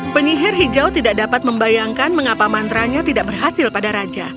penyihir hijau tidak dapat membayangkan mengapa mantranya tidak berhasil pada raja